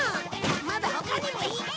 まだ他にもいっぱい。